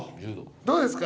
どうですか？